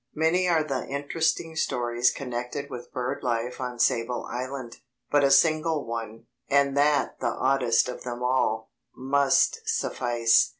Many are the interesting stories connected with bird life on Sable Island, but a single one, and that the oddest of them all, must suffice.